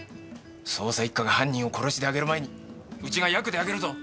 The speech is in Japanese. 捜査一課が犯人を殺しで挙げる前にウチがヤクで挙げるぞ。